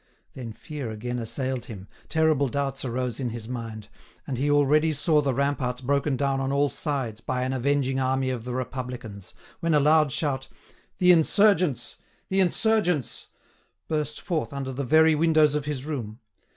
Then fear again assailed him, terrible doubts arose in his mind, and he already saw the ramparts broken down on all sides by an avenging army of the Republicans, when a loud shout: "The insurgents! The insurgents!" burst forth under the very windows of his room.